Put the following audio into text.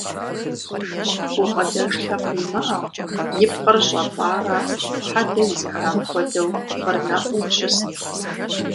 Гукъыдэж лъэпкъ имыӀэу, и пкъыр щӀэлӀарэ хьэдэ изыхам хуэдэу гъырнэӀуу щыст.